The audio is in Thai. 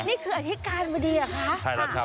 นี่คืออธิการบดีเหรอคะ